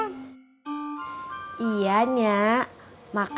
udin itu anaknya emang gitu